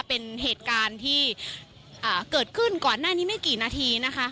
เป็นเหตุการณ์ที่เกิดขึ้นก่อนหน้านี้ไม่กี่นาทีนะคะ